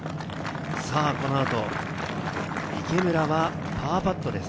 この後、池村はパーパットです。